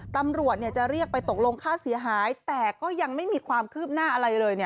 ตำรวจจะเรียกไปตกลงค่าเสียหายแต่ก็ยังไม่มีความคืบหน้าอะไรเลย